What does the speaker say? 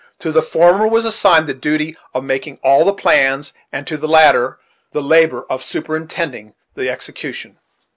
To the former was assigned the duty of making all the plans, and to the latter the labor of superintending the execution.